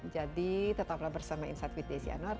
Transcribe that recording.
jadi tetaplah bersama insight with desi anwar